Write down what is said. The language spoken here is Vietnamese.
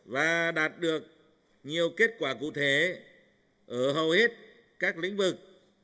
và đạt được nhiều kết quả cụ thể ở hầu hết các lĩnh vực